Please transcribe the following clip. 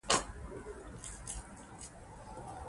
استاد بينوا د ځوانانو ذهني وده مهمه بلله.